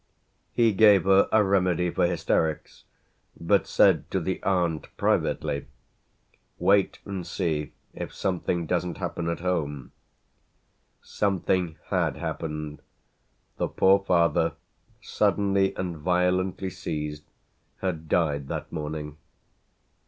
He gave her a remedy for hysterics but said to the aunt privately: "Wait and see if something doesn't happen at home." Something had happened the poor father, suddenly and violently seized, had died that morning.